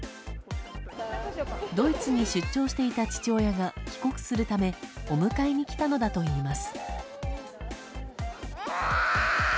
ドイツに出張していた父親が帰国するためお迎えに来たのだといいます。